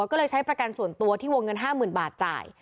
ก็เลยใช้ประกันส่วนตัวที่วงเงิน๕๐๐๐บาทจ่าย